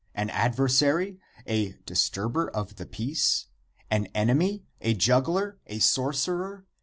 An adversary? a dis turber of the peace? an enemy? a juggler? a sorcer er?